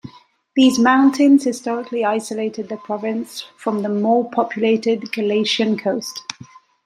These mountains historically isolated the province from the more populated Galician coast.